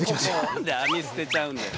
何で網捨てちゃうんだよ。